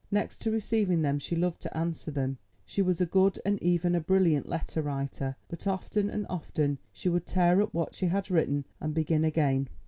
Next to receiving them she loved to answer them. She was a good and even a brilliant letter writer, but often and often she would tear up what she had written and begin again.